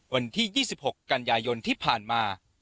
วันที่๒๖กันยายนที่ผ่านมา